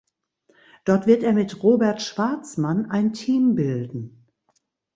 Dort wird er mit Robert Schwarzman ein Team bilden.